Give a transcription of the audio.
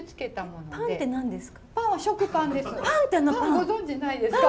ご存じないですか？